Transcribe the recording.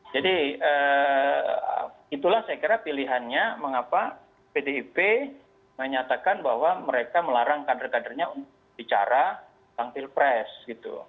jadi itulah saya kira pilihannya mengapa pdip menyatakan bahwa mereka melarang kader kadernya bicara tentang pilpres gitu